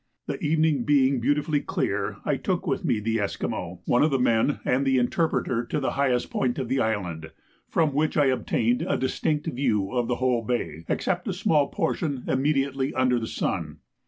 The evening being beautifully clear, I took with me the Esquimaux, one of the men, and the interpreter to the highest point of the island, from which I obtained a distinct view of the whole bay, except a small portion immediately under the sun.